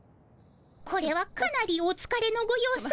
これはかなりおつかれのご様子。